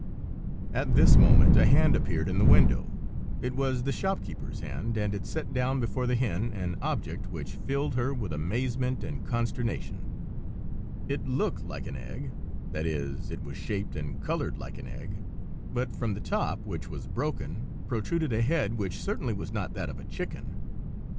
At this moment a hand appeared in the window. It was the shopkeeper's hand, and it set down before the hen an object which filled her with amazement and consternation. It looked like an egg: that is, it was shaped and coloured like an egg; but from the top, which was broken, protruded a head which certainly was not that of a chicken.